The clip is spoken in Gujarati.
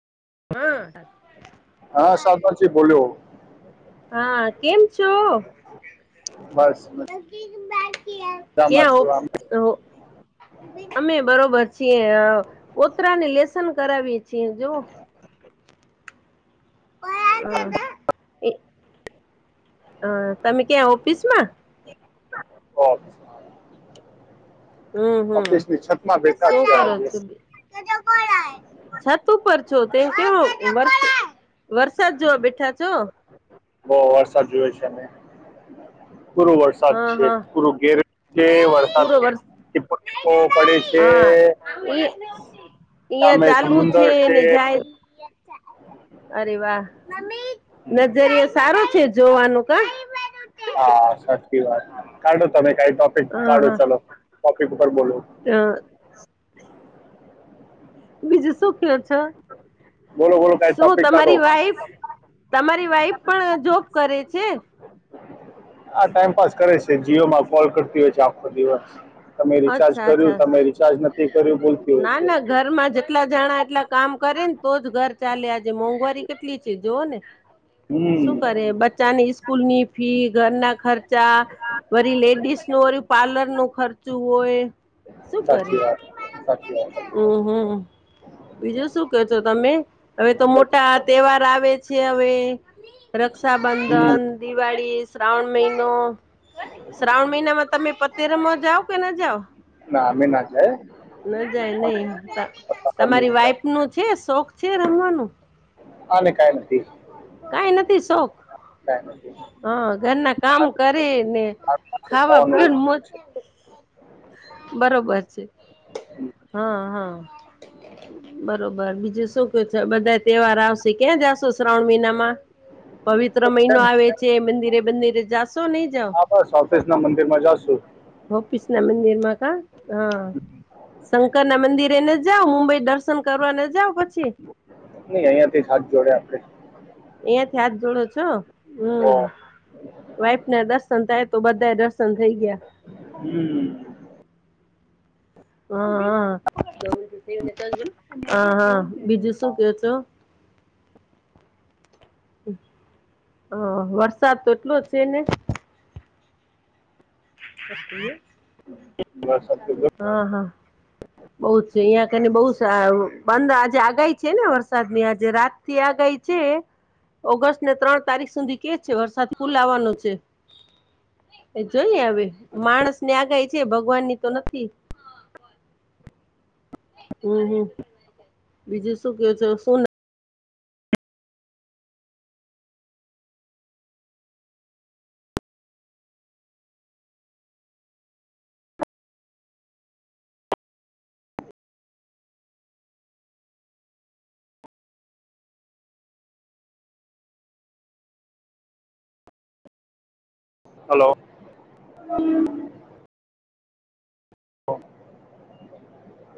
હા હા સાગરજી બોલું. હા કેમ છો, બસ મજામાં ક્યાં છું આમ હો અમે બરોબર છીએ ઓતરાને લેસન કરાવી છીએ જોઓ અ [inaudible] અ, તમે ક્યાં ઓફિસ માં?. ઓ હમ હમ ઓફિસ ની છત માં બેઠા શું છે કરો આજે છો છત ઉપર છો તે કેવુ વર વરસાદ જોવા બેઠા છો? બો વરસાદ જોયો છે અમે પૂરું વર્ષ. વરસાદ હા છે હા પૂરું ગેરે, ગેર વરસાદ પૂરો વરસ ટિપો, ટિપો પડે છે. ઈ. [inaudible] સામે સમુંદર છે. જાય અરે વાહ, હમ, નજરયો સારો છે જોવાનું કા? હ હા, સાચી વાત. કાઢો તમે કાઈ ટોપિક કાઢો ચલો, ટોપિક ઉપર બોલો. અ બીજું શું કેઓ છો? બોલો. બોલો કાંઈ શું ટોપિક કાઢો તમારી વાઈફ, તમારી વાઈફ પણ જોબ કરે છે? આ ટાઈમપાસ કરે છે. જીઓમાં કોલ કરતી હોય છે આખો દિવસ. તમે રિચાર્જ અચ્છા કર્યું, અચ્છા તમે રિચાર્જ નથી કર્યું બોલતી હોય ના છે. ના ઘરમાં જેટલા જણા એટલા કામ કરે ને તો જ ઘર ચાલે. આજે મોંઘવારી કેટલી છે જોવોને શું હમ કરે, બચ્ચાની સ્કૂલની ફી, ઘરના ખર્ચા રી લેડીસ નું ઓર્યુ પાર્લર નું ખર્ચું હોય, શું કરે? હા, સાચી વાત. [unintelligible] અ હમ, બીજું શું ક્યો છો તમે, હવે તો બસ મોટા તેહવાર આવે છે હવે હમ રક્ષાબંધન, દિવાળી, શ્રાવણ મહિનો. શ્રાવણ મહિના માં તમે પતે રમાં જાવ કે ના જાવ? ના અમે ના જાએ. ન જાય નય, ત અમે અમે તમારી વાઈફ નું છે શોખ છે રમવાનું? આને કઈ નથી કાય નથી સોખ? કાંય નથી. હ, ઘરના કામ આ- કરે ને, આ ખાવા પીઓ દુખાવાનું ને મોજ છે. બરોબર છે, હા -હા. બરોબર, બીજું શું ક્યો છો. બધા તેહવાર આવશે ક્યાં જાશો શ્રાવણ મહીનામાં. પવિત્ર તો છે મહીનો ને, આવે છે. મંદિરે બંદિરે જાશો નય? હા, બસ ઓફિસ ના મંદિર માં જાશું. હોફીશના મંદિરમાં કાં હા. શંકર ના મંદિરે ન જાવ, મુંબઈ દર્શન કરવા ન જાવ પછી? નય અહીંયાથી જ હાથ જોડે આપડે. અહીંયાંથી હાથ છો હમ્મ, વાઈફના દર્શન થાય તો બધાએ દર્શન થઈ ગ્યા. હમ્મ. હા અ, હ-હ બીજું શું ક્યો છો? હમ [inaudible] હ, વરસાદ તો એટલો છે ને. બસ [unintelligible] અ હ. બો છે અંયા કરને બો સારું બંધ આજે આગાહી છે ને વરસાદ ની આજે રાત. થી આગાહી છે. ઓગસ્ટને ત્રણ તારીખ સુંધી કે છે, વરસાદ ફુલ આવવાનો છે. એ જોઈએ હવે. માણસની આગાહી છે ભગવાનની તો નથી. હમ- હમ. બીજું શું ક્યો છો શું હલો. હલો.